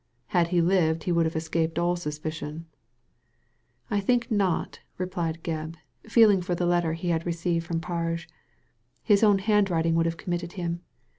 Had he lived he would have escaped all suspicion." ••I think not," replied Gebb, feeling for the letter he had received from Parge ;his own hand* writing would have committed him.